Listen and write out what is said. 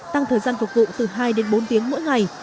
tăng thời gian phục vụ từ hai đến bốn tiếng mỗi ngày